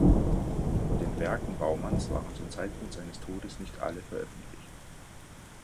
Von den Werken Baumanns waren zum Zeitpunkt seines Todes nicht alle veröffentlicht.